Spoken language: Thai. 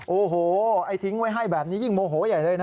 โอ้โหไอ้ทิ้งไว้ให้แบบนี้ยิ่งโมโหใหญ่เลยนะ